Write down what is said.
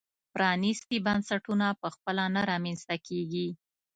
پرانیستي بنسټونه په خپله نه رامنځته کېږي.